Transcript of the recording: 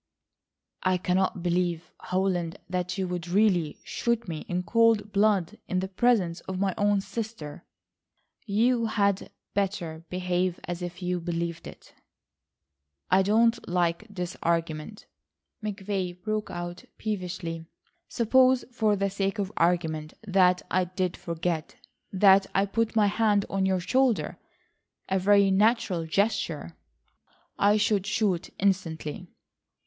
"I cannot believe, Holland, that you would really shoot me in cold blood in the presence of my own sister." "You had better behave as if you believed it." "I don't like this arrangement," McVay broke out peevishly. "Suppose, for the sake of argument, that I did forget,—that I put my hand on your shoulder—a very natural gesture." "I should shoot instantly."